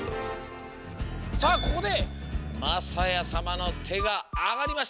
さあここでまさやさまのてがあがりました。